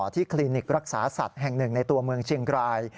คลินิกรักษาสัตว์แห่งหนึ่งในตัวเมืองเชียงราย